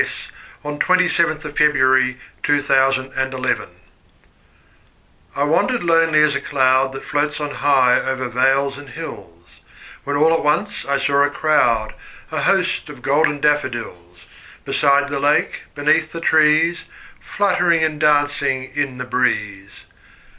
William Wordsworth I Wandered Lonely As a Cloud I WANDERED lonely as a cloud That floats on high o'er vales and hills, When all at once I saw a crowd, A host, of golden daffodils; Beside the lake, beneath the trees, Fluttering and dancing in the breeze.